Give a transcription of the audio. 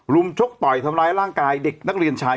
ชกต่อยทำร้ายร่างกายเด็กนักเรียนชาย